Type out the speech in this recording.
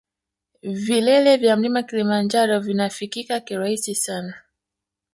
Vilele vya mlima kilimanjaro vinafikika kirahisi sana